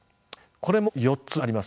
これも４つあります。